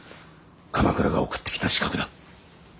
鎌倉が送ってきた刺客だ。